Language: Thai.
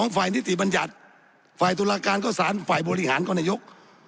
ฝ่ายตุลการณ์ก็สารฝ่ายบริหารก็นยก